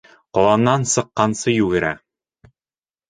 Ҡаланан сыҡҡансы йүгерә.